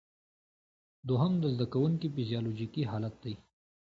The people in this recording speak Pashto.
دوهم د زده کوونکي فزیالوجیکي حالت دی.